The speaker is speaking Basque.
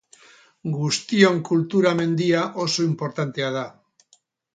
Guztion kultura mendia oso inportantea da.